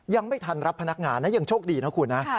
ยังไม่ทันรับพนักงานนะยังโชคดีนะคุณนะ